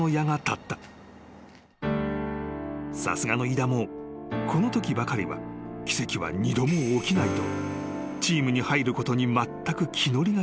［さすがの飯田もこのときばかりは奇跡は二度も起きないとチームに入ることにまったく気乗りがしなかったという］